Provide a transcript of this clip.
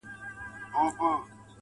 تېره جنازه سوله اوس ورا ته مخامخ يمه,